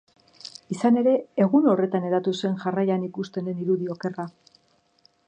Izan ere, egun horretan hedatu zen jarraian ikusten den irudi okerra.